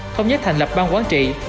thông nhất thành lập ban quán trị